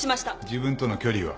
自分との距離は？